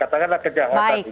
katakanlah kejahatan itu